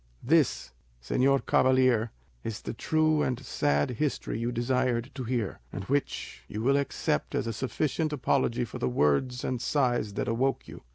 This, señor cavalier, is the true and sad history you desired to hear, and which you will accept as a sufficient apology for the words and sighs that awoke you.